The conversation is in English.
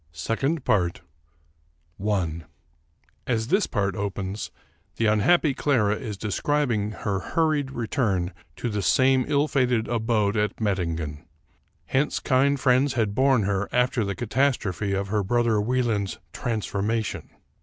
279 American Mystery Stories SECOND PART As this part opens, the unhappy Clara is describing her hurried return to the same ill fated abode at Mettingen. Hence kind friends had borne her after the catastrophe of her brother Wie land's "transformation."